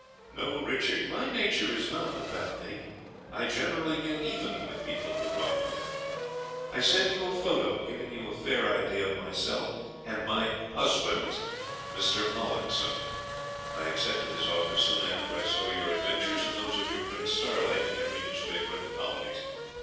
No, Richard, my nature is not of that make. I generally get even with people who wrong me. I send you a photo, giving a fair idea of myself and my HUSBAND, Mr. Mullockson. I accepted his offer soon after I saw your adventures, and those of your friend Starlight, in every newspaper in the colonies.